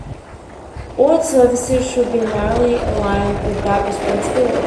All its services should be narrowly aligned with that responsibility.